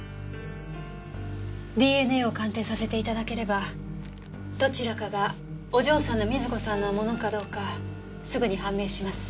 ＤＮＡを鑑定させて頂ければどちらかがお嬢さんの瑞子さんのものかどうかすぐに判明します。